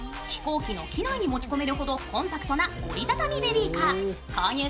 飛行機の機内に持ち込めるほどコンパクトな折りたたみベビーカー。